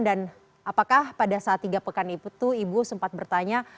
apakah pada saat tiga pekan itu ibu sempat bertanya